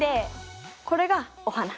これがお花。